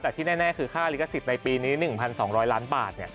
แต่ที่แน่คือค่าลิขสิทธิ์ในปีนี้๑๒๐๐ล้านบาท